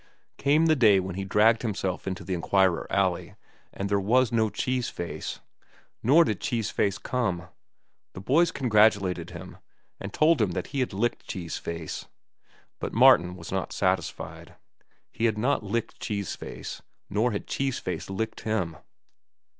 Came the day when he dragged himself into the Enquirer alley, and there was no Cheese Face. Nor did Cheese Face come. The boys congratulated him, and told him that he had licked Cheese Face. But Martin was not satisfied. He had not licked Cheese Face, nor had Cheese Face licked him.